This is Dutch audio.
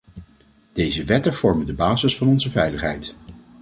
Deze wetten vormen de basis van onze veiligheid.